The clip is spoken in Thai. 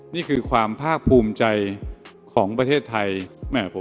นี่คือความภาคภูมิใจของประเทศไทย